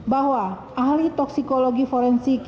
bahwa ahli toksikologi forensik